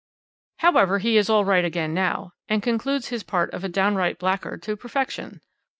"However, he is all right again now, and concludes his part of a downright blackguard to perfection.